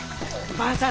ばあさん